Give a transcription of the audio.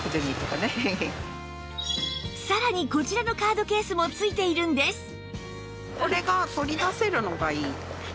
さらにこちらのカードケースも付いているんです